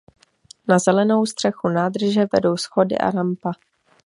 Na zelenou střechu nádrže vedou schody a rampa.